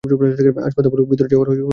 আজ কথা বলব ভিতরে যাওয়ার প্রস্তুতি নিয়ে।